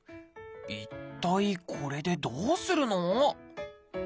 一体これでどうするの？